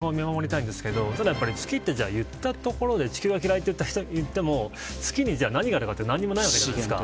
それを見守りたいんですけど月っていったところで地球が嫌いといっても月に、じゃあ何があるかって何もないわけじゃないですか。